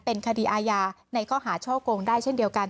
เป็นคดีอาญาในข้อหาช่อกงได้เช่นเดียวกัน